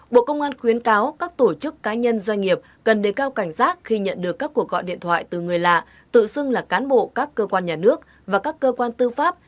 bộ công an khuyến cáo các tổ chức cá nhân doanh nghiệp cần đề cao cảnh giác khi nhận được các cuộc gọi điện thoại từ người lạ tự xưng là cán bộ các cơ quan nhà nước và các cơ quan tư pháp